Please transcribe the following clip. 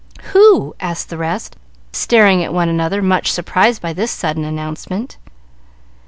"Who?" asked the rest, staring at one another, much surprised by this sudden announcement.